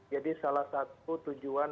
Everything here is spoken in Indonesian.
jadi salah satu tujuan